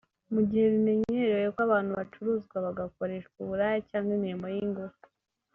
Mu gihe bimenyerewe ko abantu bacuruzwa bagakoreshwa uburaya cyangwa imirimo y’ingufu